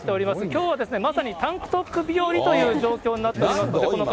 きょうまさにタンクトップ日和という状況になっておりますんで、何度？